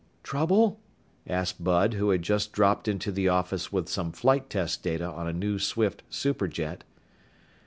"Trouble?" asked Bud, who had just dropped into the office with some flight test data on a new Swift superjet.